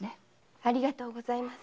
ありがとうごさいます。